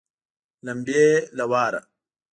لمبې له واره